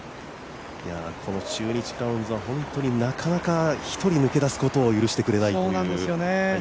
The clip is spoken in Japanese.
この、中日クラウンズはなかなか１人抜け出すことを許してくれない大会です。